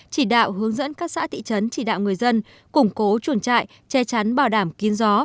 chỉ đạo hướng dẫn các xã thị trấn chỉ đạo người dân củng cố chuồng trại che chắn bảo đảm kín gió